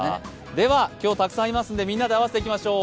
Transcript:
では今日たくさんいますのでみんなで合わせていきましょう。